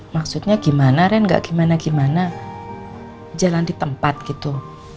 maksudnya gimana ren gak gimana gimana jalan di tempat gitu